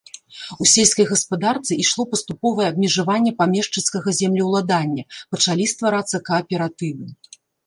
У сельскай гаспадарцы ішло паступовае абмежаванне памешчыцкага землеўладання, пачалі стварацца кааператывы.